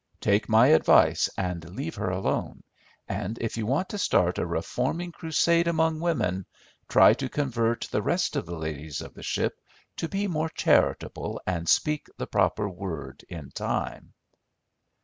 Take my advice and leave her alone, and if you want to start a reforming crusade among women, try to convert the rest of the ladies of the ship to be more charitable and speak the proper word in time."